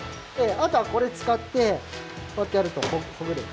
あとはこれ使ってこうやってやるとほぐれる。